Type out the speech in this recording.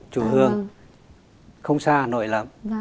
chủ hương không xa hà nội lắm